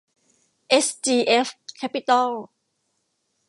เอสจีเอฟ แคปปิตอล